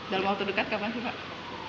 dalam waktu dekat kapan sih pak